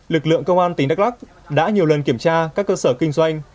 lực lượng công an tỉnh đắk lắc đã nhiều lần kiểm tra các cơ sở kinh doanh